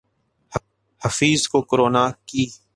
حفیظ کو کرونا کی